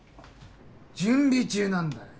準備中なんだよ。